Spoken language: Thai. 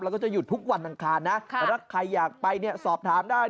เราก็จะหยุดทุกวันทางคานะแต่ถ้าใครอยากไปสอบถามได้